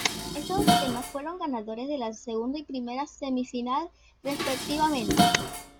Estos dos temas fueron los ganadores de la segunda y la primera semifinal respectivamente.